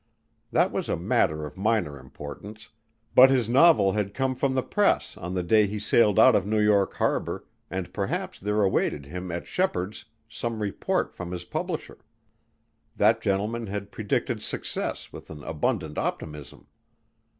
That was a matter of minor importance, but his novel had come from the press on the day he sailed out of New York harbor and perhaps there awaited him at Shepheard's some report from his publisher. That gentleman had predicted success with an abundant optimism.